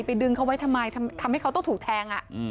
ดึงเขาไว้ทำไมทำให้เขาต้องถูกแทง